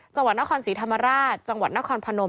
จังหวัดนครศรีธรรมราชจังหวัดนครพนม